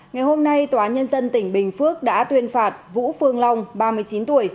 ngày hôm nay tòa nhân dân tỉnh bình phước đã tuyên phạt vũ phương long ba mươi chín tuổi